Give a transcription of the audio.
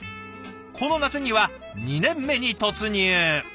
この夏には２年目に突入。